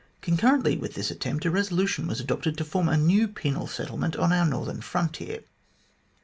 Concurrently with this attempt, a resolution was adopted to form a new penal settlement on our northern frontier.